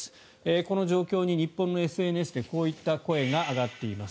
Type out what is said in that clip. この状況に日本のＳＮＳでこういった声が上がっています。